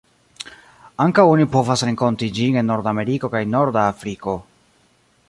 Ankaŭ oni povas renkonti ĝin en Nordameriko kaj norda Afriko.